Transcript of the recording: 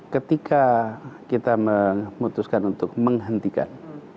ketika kita memutuskan untuk menghentikan